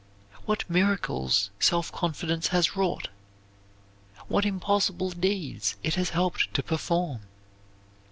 What miracles self confidence has wrought! What impossible deeds it has helped to perform!